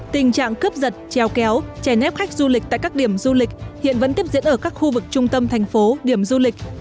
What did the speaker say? tình trạng cướp giật trèo kéo chè nép khách du lịch tại các điểm du lịch hiện vẫn tiếp diễn ở các khu vực trung tâm thành phố điểm du lịch